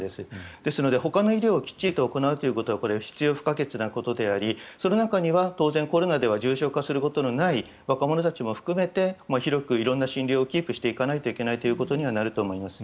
ですのでほかの医療をきっちり行うことはこれは必要不可欠のことでありその中には当然コロナでは重症化することのない若者たちも含めて広くいろんな診療をキープしていかなきゃいけないことになると思います。